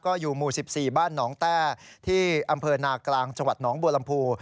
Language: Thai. ก็อยู่หมู่๑๔บ้านหนองแต้ที่อำเภอนากลางจังหวัดหนองบัวลำพู